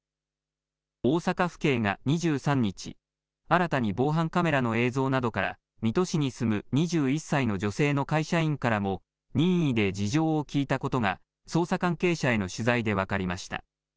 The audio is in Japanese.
大阪府警が２３日、新たに防犯カメラの映像などから水戸市に住む２１歳の女性の会社員からも任意で事情を聴いたことが捜査関係者への取材で分かりました。